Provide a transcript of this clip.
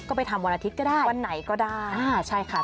ก็ไปทำวันอาทิตย์ก็ได้วันไหนก็ได้อ่าใช่ค่ะ